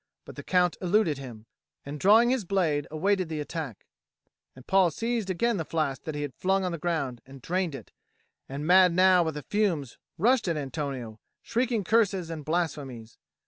But the Count eluded him, and drawing his blade awaited the attack; and Paul seized again the flask that he had flung on the ground, and drained it, and mad now with the fumes rushed at Antonio, shrieking curses and blasphemies.